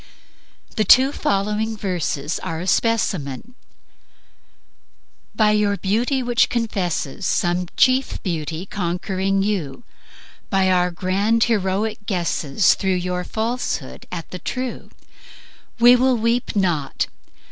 The two following verses are a specimen: "By your beauty which confesses Some chief Beauty conquering you, By our grand heroic guesses Through your falsehood at the True, We will weep NOT!